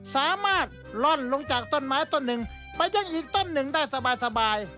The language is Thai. ล่อนลงจากต้นไม้ต้นหนึ่งไปยังอีกต้นหนึ่งได้สบาย